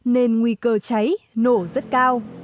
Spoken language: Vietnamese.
nên nguy cơ cháy nổ rất cao